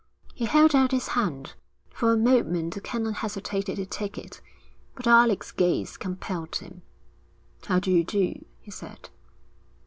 He held out his hand. For a moment the Canon hesitated to take it, but Alec's gaze compelled him. 'How do you do?' he said.